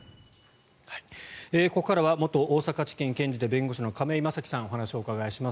ここからは元大阪地検検事で弁護士の亀井正貴さんにお話をお伺いします。